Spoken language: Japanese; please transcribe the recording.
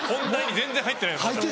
全然入ってない。